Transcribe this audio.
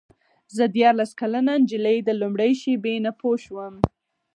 زه دیارلس کلنه نجلۍ د لومړۍ شېبې نه پوه شوم.